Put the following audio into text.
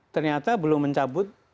ternyata belum mencabut